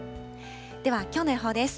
ではきょうの予報です。